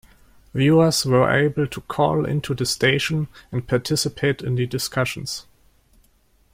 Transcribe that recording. Viewers were able to call into the station and participate in the discussions.